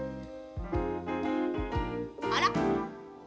あら。